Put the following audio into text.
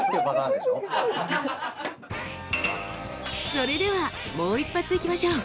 それではもう一発いきましょう。